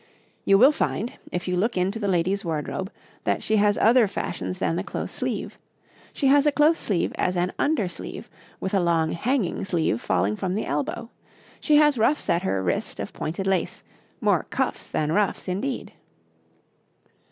You will find, if you look into the lady's wardrobe, that she has other fashions than the close sleeve: she has a close sleeve as an under sleeve, with a long hanging sleeve falling from the elbow; she has ruffs at her wrist of pointed lace, more cuffs than ruffs, indeed.